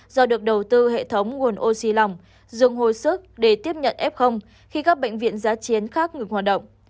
do được đầu tư hệ thống nguồn oxy lòng dùng hồi sức để tiếp nhận f khi các bệnh viện giá chiến khác ngừng hoạt động